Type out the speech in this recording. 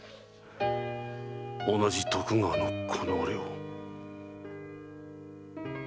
同じ徳川のこの俺を。